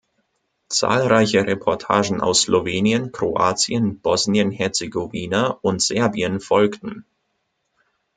Zahlreiche Reportagen aus Slowenien, Kroatien, Bosnien-Herzegowina und Serbien folgten.